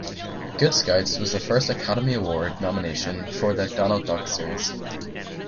"Good Scouts" was the first Academy Award nomination for the "Donald Duck" series.